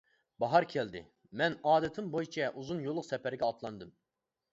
باھار كەلدى، مەن ئادىتىم بويىچە ئۇزۇن يوللۇق سەپەرگە ئاتلاندىم.